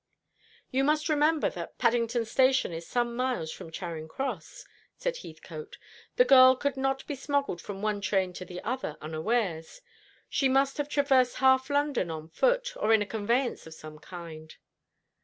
"You must remember that Paddington Station is some miles from Charing Cross," said Heathcote. "The girl could not be smuggled from one train to the other unawares. She must have traversed half London on foot, or in a conveyance of some kind."